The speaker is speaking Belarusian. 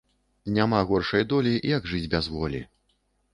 Няма горшай долі, як жыць без волі